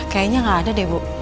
kayanya gak ada deh bu